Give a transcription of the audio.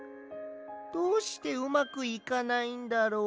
どうしてうまくいかないんだろう。